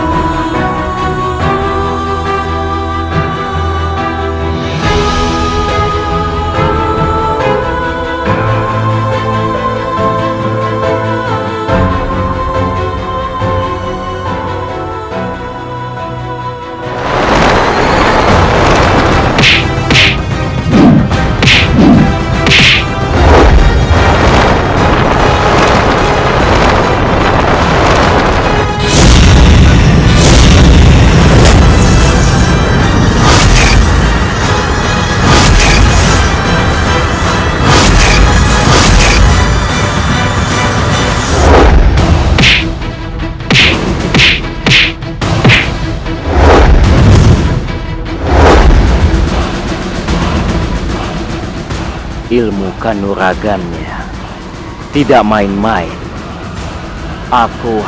waalaikumsalam warahmatullahi wabarakatuh